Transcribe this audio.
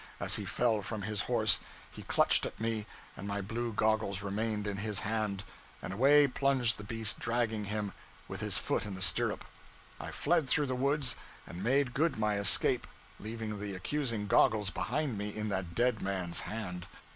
As he fell from his horse, he clutched at me, and my blue goggles remained in his hand; and away plunged the beast dragging him, with his foot in the stirrup. I fled through the woods, and made good my escape, leaving the accusing goggles behind me in that dead man's hand.